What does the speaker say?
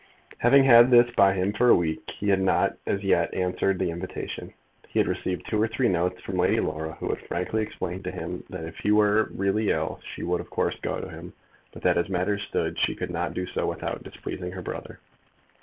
Having had this by him for a week, he had not as yet answered the invitation. He had received two or three notes from Lady Laura, who had frankly explained to him that if he were really ill she would of course go to him, but that as matters stood she could not do so without displeasing her brother.